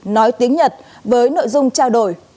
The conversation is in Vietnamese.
nói tiếng nhật với nội dung trao đổi